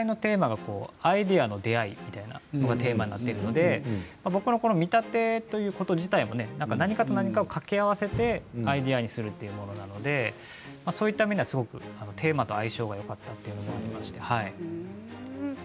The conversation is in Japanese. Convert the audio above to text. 日本館の全体のテーマがアイデアの出会いというのがテーマだったので僕の見立てということ自体も何かと何かを掛け合わせてアイデアにするということなのでそういった意味ではテーマと相性がよかったというのもありまして。